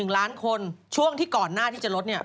๑ล้านคนช่วงที่ก่อนหน้าที่จะลดเนี่ย